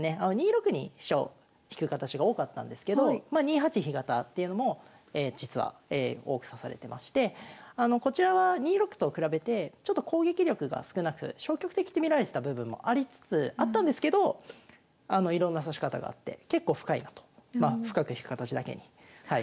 ２六に飛車を引く形が多かったんですけどま２八飛型っていうのも実は多く指されてましてこちらは２六と比べてちょっと攻撃力が少なく消極的に見られてた部分もありつつあったんですけどいろんな指し方があって結構深いなと。